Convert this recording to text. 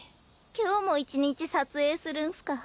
今日も１日撮影するんすか？